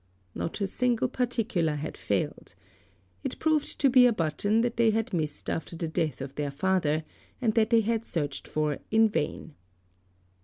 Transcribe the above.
Not a single particular had failed. It proved to be a button that they had missed after the death of their father, and that they had searched for in vain.